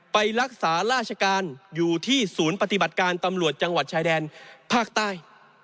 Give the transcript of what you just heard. ไปรักษาราชการอยู่ที่ศูนย์ปฏิบัติการตำรวจจังหวัดชายแดนภาคใต้